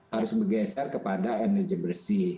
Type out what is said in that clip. harus bergeser kepada energi bersih